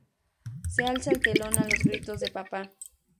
Se alza el telón a los gritos de "Papa!